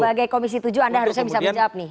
sebagai komisi tujuh anda harusnya bisa menjawab nih